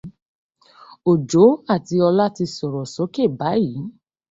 Òjó àti Ọlá ti sọ̀rọ̀ sókè báyìí.